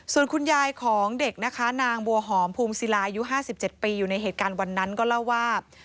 ส่วนคุณยายของเด็กนะคะนางบัวหอมภูมิศิลาอายุ๕๗ปีอยู่ในเหตุการณ์วันนั้นก็เล่าว่า